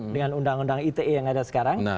dengan undang undang ite yang ada sekarang